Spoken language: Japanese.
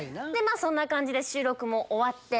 そんな感じで収録も終わって。